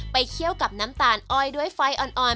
เคี่ยวกับน้ำตาลอ้อยด้วยไฟอ่อน